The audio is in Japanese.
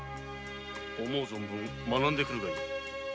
思う存分学んでくるのだ。